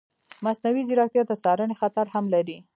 مصنوعي ځیرکتیا د څارنې خطر هم لري.